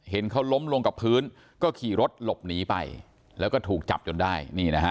เห็นเขาล้มลงกับพื้นก็ขี่รถหลบหนีไปแล้วก็ถูกจับจนได้